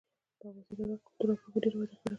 په عباسي دوره کې کلتور او پوهې ډېره وده وکړه.